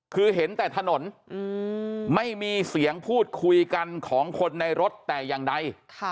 คือเห็นแต่ถนนไม่มีเสียงพูดคุยกันของคนในรถแต่อย่างใด